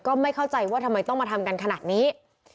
ก็ไม่เข้าใจว่าทำไมต้องมาทำกันขนาดนี้